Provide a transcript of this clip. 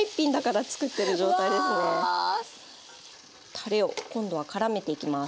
たれを今度はからめていきます。